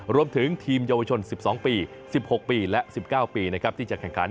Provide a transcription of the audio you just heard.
รวมถึงทีมเยาวชน๑๒ปี๑๖ปีและ๑๙ปีนะครับที่จะแข่งขัน